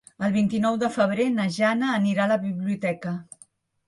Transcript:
El vint-i-nou de febrer na Jana anirà a la biblioteca.